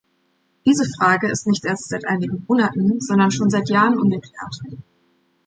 Diese Frage ist nicht erst seit einigen Monaten, sondern schon seit Jahren ungeklärt.